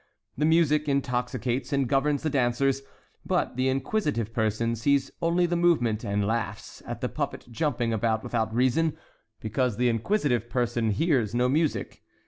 The music intoxicates and governs the dancers, but the inquisitive person sees only the movement and laughs at the puppet jumping about without reason, because the inquisitive person hears no music.